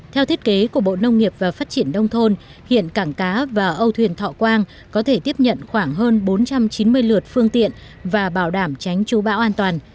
theo thiết kế của bộ nông nghiệp và phát triển đông thôn hiện cảng cá và âu thuyền thọ quang có thể tiếp nhận khoảng hơn bốn trăm chín mươi lượt phương tiện và bảo đảm tránh chú bão an toàn